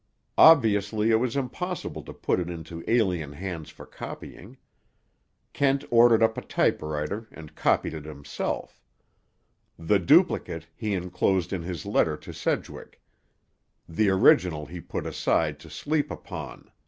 Obviously it was impossible to put it into alien hands for copying. Kent ordered up a typewriter and copied it himself. The duplicate he enclosed in his letter to Sedgwick. The original he put aside to sleep upon.